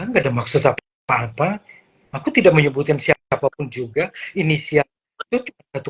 enggak ada maksud apa apa aku tidak menyebutkan siapapun juga inisial itu satu